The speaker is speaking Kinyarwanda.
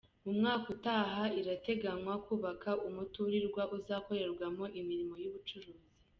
Mu mwaka utaha irateganya kubaka umuturirwa uzakorerwamo imirimo y’ubucuruzi.